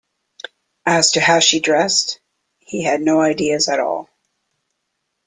As to how she dressed, he had no ideas at all.